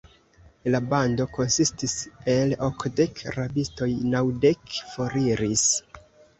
La bando konsistis el okdek rabistoj; naŭdek foriris!